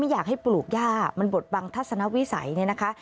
สภาพเนี่ยหญ้ามันบทบังวิสัยทัศนวิสัยจริงแล้วค่ะ